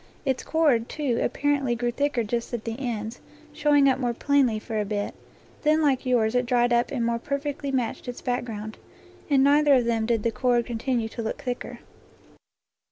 Its cord, too, apparently grew thicker just at the ends, showing up more plainly for a bit; then like yours it dried up and more perfectly matched its back ground. In neither of them did the cord continue to look thicker.